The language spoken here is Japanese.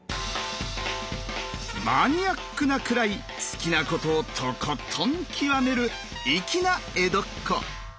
マニアックなくらい好きなことをとことん極める粋な江戸っ子。